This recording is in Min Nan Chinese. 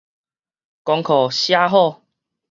功課寫好矣